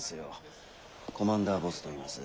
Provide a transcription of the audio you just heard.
コマンダーボスといいます。